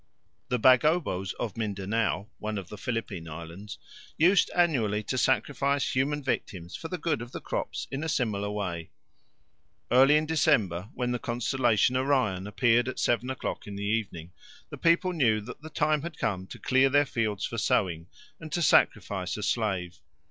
The Bagobos of Mindanao, one of the Philippine Islands, used annually to sacrifice human victims for the good of the crops in a similar way. Early in December, when the constellation Orion appeared at seven o'clock in the evening, the people knew that the time had come to clear their fields for sowing and to sacrifice a slave.